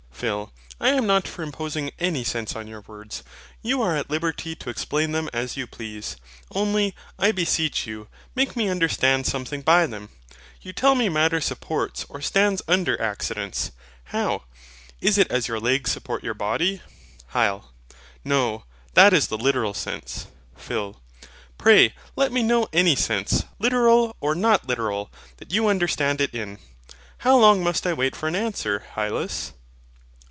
PHIL. I am not for imposing any sense on your words: you are at liberty to explain them as you please. Only, I beseech you, make me understand something by them. You tell me Matter supports or stands under accidents. How! is it as your legs support your body? HYL. No; that is the literal sense. PHIL. Pray let me know any sense, literal or not literal, that you understand it in. How long must I wait for an answer, Hylas?